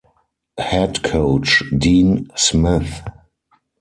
Head Coach: Dean Smith.